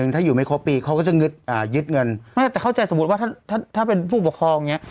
ถ้าอยู่ไม่ครบปีเขาก็จะยึดเงินแต่เข้าใจสมมุติว่าถ้าเป็นผู้ปกครองเนี่ย